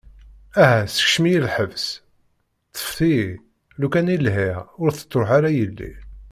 Aha sekcem-iyi lḥebs, ṭfet-iyi, lukan i lhiɣ ur tettruḥu ara yelli.